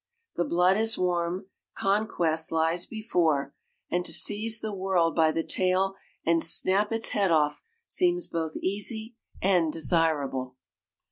The blood is warm, conquest lies before, and to seize the world by the tail and snap its head off seems both easy and desirable.